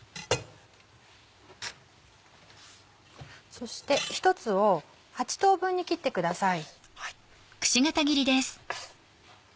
そして１つを８等分に切ってください。